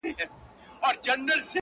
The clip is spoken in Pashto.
د کلي سپی یې؛ د کلي خان دی؛